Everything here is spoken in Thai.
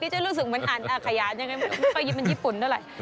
นี่จะรู้สึกเหมือนอันอาขยานยังไงมันก็ยิ้มเป็นญี่ปุ่นด้วยแหละ